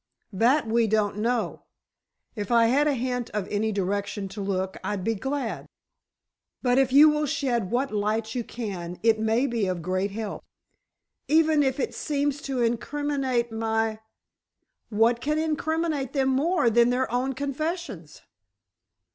"That we don't know. If I had a hint of any direction to look I'd be glad. But if you will shed what light you can, it may be of great help." "Even if it seems to incriminate my——" "What can incriminate them more than their own confessions?"